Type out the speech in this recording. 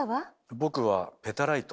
僕はペタライト。